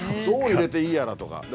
どう入れていいやらとか。